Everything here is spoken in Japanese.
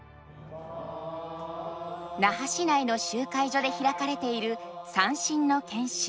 那覇市内の集会所で開かれている三線の研修。